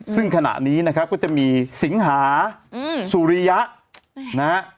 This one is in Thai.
ซึ่งขณะนี้ก็จะมีสิงหาสุริยะ